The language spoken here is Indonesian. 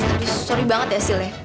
aduh sorry banget ya sile